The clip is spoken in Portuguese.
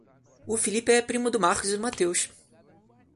O Felipe é primo do Marcos e do Mateus.